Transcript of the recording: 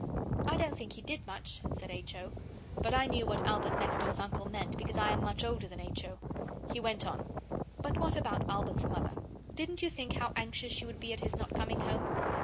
'I don't think he did much,' said H. O. But I knew what Albert next door's uncle meant because I am much older than H. O. He went on 'But what about Albert's mother? Didn't you think how anxious she would be at his not coming home?